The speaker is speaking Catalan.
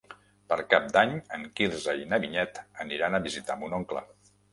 Per Cap d'Any en Quirze i na Vinyet aniran a visitar mon oncle.